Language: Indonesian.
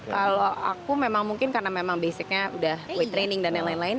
kalau aku memang mungkin karena memang basicnya udah qui training dan lain lain